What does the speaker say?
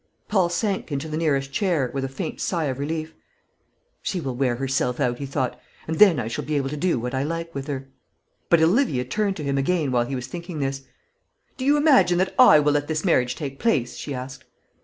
Paul sank into the nearest chair, with a faint sigh of relief. "She will wear herself out," he thought, "and then I shall be able to do what I like with her." But Olivia turned to him again while he was thinking this. "Do you imagine that I will let this marriage take place?" she asked.